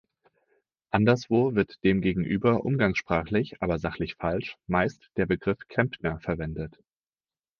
Anderswo wird demgegenüber umgangssprachlich, aber sachlich falsch, meist der Begriff Klempner verwendet.